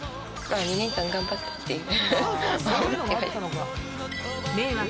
２年間、頑張ったっていう。